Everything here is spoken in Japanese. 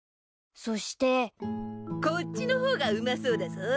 ［そして］こっちの方がうまそうだぞ。